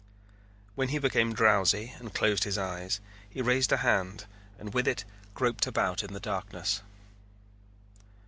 When he became drowsy and closed his eyes, he raised a hand and with it groped about in the darkness.